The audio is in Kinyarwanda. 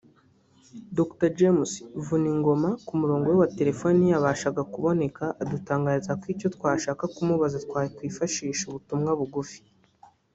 Dr James Vuningoma ku murongo we wa telefone ntiyabashaga kuboneka adutangariza ko icyo twashaka kumubaza twakwifashisha ubutumwa bugufi